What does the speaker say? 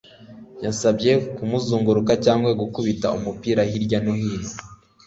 yansabye kumuzunguruka cyangwa gukubita umupira hirya no hino